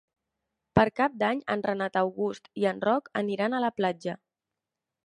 Per Cap d'Any en Renat August i en Roc aniran a la platja.